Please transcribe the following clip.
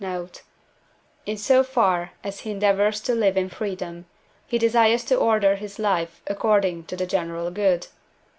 note), in so far as he endeavours to live in freedom, he desires to order his life according to the general good (IV.